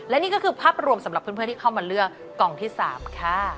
และนี่ก็คือภาพรวมสำหรับเพื่อนที่เข้ามาเลือกกล่องที่๓ค่ะ